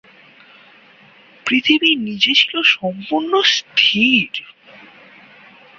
পৃথিবী নিজে ছিল সম্পূর্ণ স্থির।